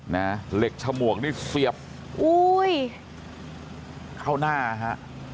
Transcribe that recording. เหล็กฉมวกนี่เสียบอุ้ยเข้าหน้าฮะ